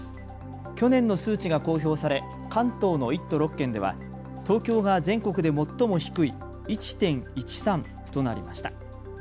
去年の数値が公表され関東の１都６県では東京が全国で最も低い１．１３となりました。